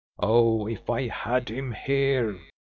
Oh! if I had him here!"